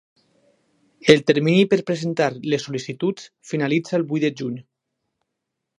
El termini per presentar les sol·licituds finalitza el vuit de juny.